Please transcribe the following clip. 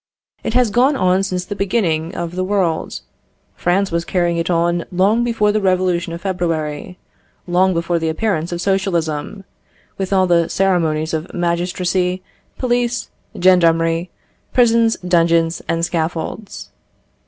It has gone on since the beginning of the world; France was carrying it on long before the revolution of February long before the appearance of socialism with all the ceremonies of magistracy, police, gendarmerie, prisons, dungeons, and scaffolds.